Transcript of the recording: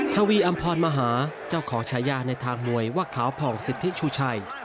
ทวีอำพรมหาเจ้าของฉายาในทางมวยว่าขาวผ่องสิทธิชูชัย